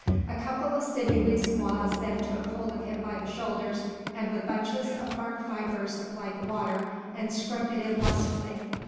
A couple of sinewy squaws then took hold of him by the shoulders, and with bunches of bark fibres applied the water, and scrubbed it in lustily.